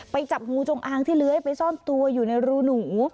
จับงูจงอางที่เลื้อยไปซ่อนตัวอยู่ในรูหนู